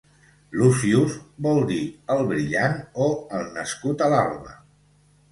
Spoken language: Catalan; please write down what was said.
"Lucius" vol dir "el brillant" o "el nascut a l'alba".